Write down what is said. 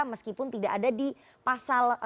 meskipun tidak ada di pasal